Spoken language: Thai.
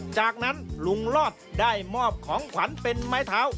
จากนั้นลุงรอดได้มอบของขวัญเป็นไม้เท้า